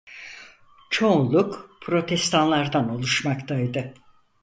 Çoğunluk Protestanlardan oluşmaktaydı.